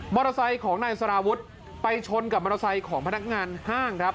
ไซค์ของนายสารวุฒิไปชนกับมอเตอร์ไซค์ของพนักงานห้างครับ